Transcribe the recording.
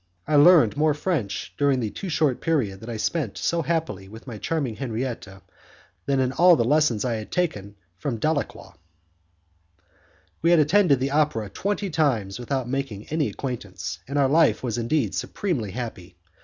I learned more French during the too short period that I spent so happily with my charming Henriette than in all the lessons I had taken from Dalacqua. We had attended the opera twenty times without making any acquaintance, and our life was indeed supremely happy.